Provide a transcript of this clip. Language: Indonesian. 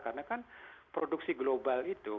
karena kan produksi global itu